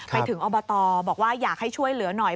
ไปถึงอบตบอกว่าอยากให้ช่วยเหลือหน่อย